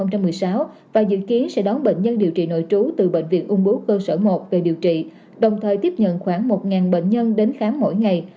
năm hai nghìn một mươi sáu và dự kiến sẽ đón bệnh nhân điều trị nội trú từ bệnh viện ung bú cơ sở một về điều trị đồng thời tiếp nhận khoảng một bệnh nhân đến khám mỗi ngày